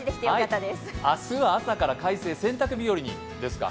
明日は朝から快晴に、洗濯日和に、ですか。